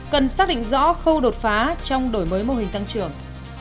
cần xác định rõ khâu đột phá trong đổi mới mô hình tăng trưởng